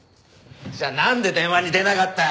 じゃあなんで電話に出なかった？